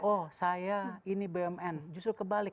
oh saya ini bumn justru kebalik